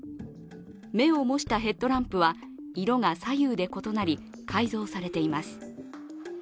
目を模したヘッドランプは色が左右で異なり改造されています。